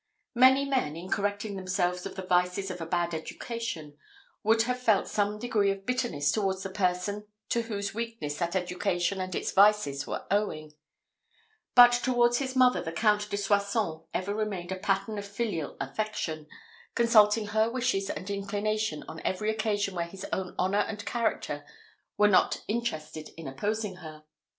Many men, in correcting themselves of the vices of a bad education, would have felt some degree of bitterness towards the person to whose weakness that education and its vices were owing; but towards his mother the Count de Soissons ever remained a pattern of filial affection, consulting her wishes and inclination on every occasion where his own honour and character were not interested in opposing her.